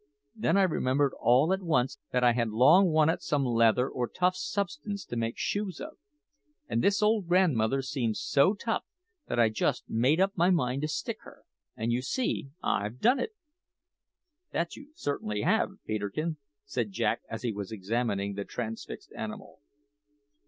Then I remembered all at once that I had long wanted some leather or tough substance to make shoes of, and this old grandmother seemed so tough that I just made up my mind to stick her and you see I've done it!" "That you certainly have, Peterkin," said Jack as he was examining the transfixed animal.